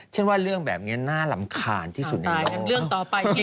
เช่นว่าเรื่องแบบนี้น่ารำคาญที่สุดในโลก